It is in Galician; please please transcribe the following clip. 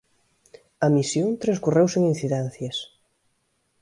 A misión transcorreu sen incidencias.